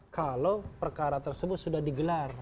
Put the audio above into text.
kalau perkara tersebut sudah digelar